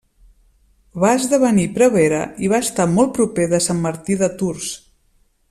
Va esdevenir prevere i va estar molt proper de Sant Martí de Tours.